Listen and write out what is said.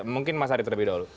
mungkin mas ari terlebih dahulu